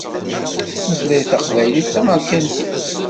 Tutlayt taqbaylit d tameṛkantit!